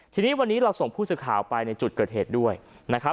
ทีนี้วันนี้เราส่งผู้สื่อข่าวไปในจุดเกิดเหตุด้วยนะครับ